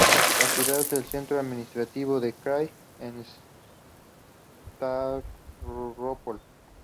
La ciudad es el centro administrativo de krai de Stávropol.